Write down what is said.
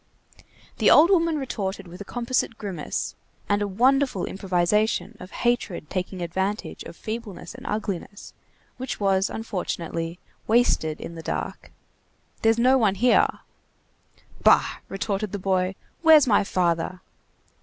The old woman retorted with a composite grimace, and a wonderful improvisation of hatred taking advantage of feebleness and ugliness, which was, unfortunately, wasted in the dark:— "There's no one here." "Bah!" retorted the boy, "where's my father?"